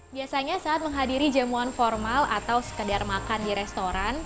biasanya saat menghadiri jamuan formal atau sekedar makan di restoran